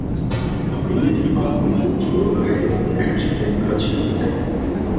Ook in dit verband moeten we ons voorbereiden op een ernstig democratieprobleem.